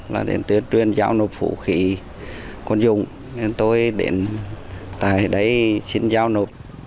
là đến tuyên truyền giao nổ vũ khí quân dụng nên tôi đến tại đấy xin giao nổ